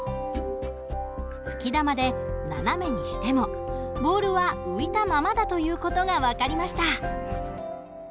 吹き玉で斜めにしてもボールは浮いたままだという事が分かりました。